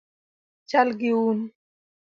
Chal gi wuon